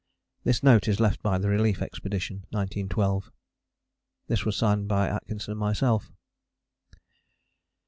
This note is left by the Relief Expedition. 1912. This was signed by Atkinson and myself.